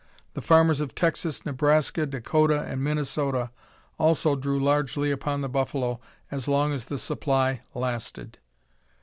The farmers of Texas, Nebraska, Dakota, and Minnesota also drew largely upon the buffalo as long as the supply lasted.